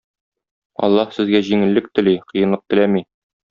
Аллаһ сезгә җиңеллек тели, кыенлык теләми.